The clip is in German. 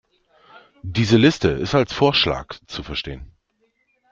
Diese Liste ist als Vorschlag zu verstehen.